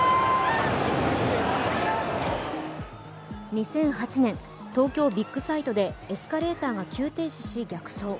２００８年、東京ビッグサイトでエスカレーターが急停止し、逆走。